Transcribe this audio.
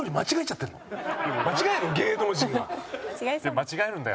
間違えるんだよ